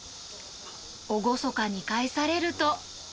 厳かに返されると。